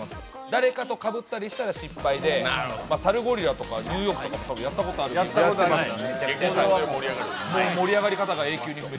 誰かとかぶったりしたら失敗でサルゴリラとかニューヨークとかも、やったことがあるので盛り上がり方が永久に不滅。